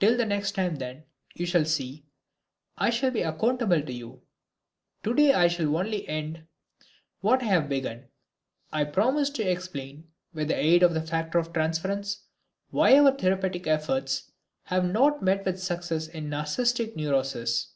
Till the next time, then. You shall see, I shall be accountable to you. Today I shall only end what I have begun. I promised to explain, with the aid of the factor of transference, why our therapeutic efforts have not met with success in narcistic neuroses.